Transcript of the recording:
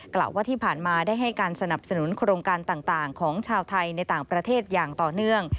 กล่าวว่าที่ผ่านมาได้ให้การสนับสนุนโครงการต่างของชาวไทยในต่างประเทศอย่างต่อเนื่อง